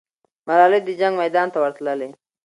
ملالۍ د جنګ میدان ته ورتللې.